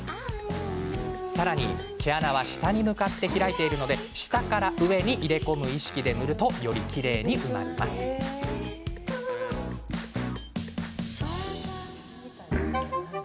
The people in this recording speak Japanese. さらに、毛穴は下に向かって開いているので下から上に入れ込む意識で塗るとより、きれいに埋まるんだそうです。